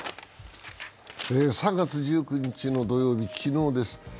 ３月１９日の土曜日、昨日です。